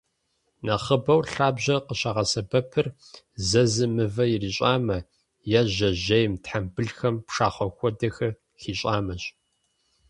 Нэхъыбэу лъабжьэр къыщагъэсэбэпыр зэзым мывэ ирищӏамэ, е жьэжьейм, тхьэмбылхэм пшахъуэ хуэдэхэр хищӏамэщ.